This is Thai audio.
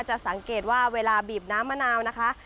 จะสังเกตว่าเวลาบีบน้ำมะนาวนะคะ